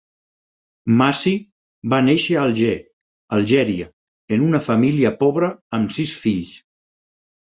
Massi va néixer a Alger, Algèria, en una família pobra amb sis fills.